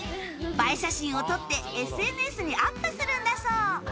映え写真を撮ってＳＮＳにアップするんだそう。